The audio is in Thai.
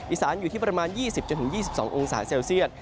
อีสานอยู่ที่ประมาณ๒๐๒๒องศาเซลเซียต